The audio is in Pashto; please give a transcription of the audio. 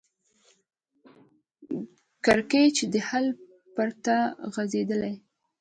کړکېچ د حل پرته غځېدلی